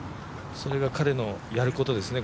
それが彼のやることですね